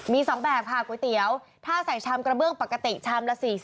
มี๒แบบค่ะก๋วยเตี๋ยวถ้าใส่ชามกระเบื้องปกติชามละ๔๐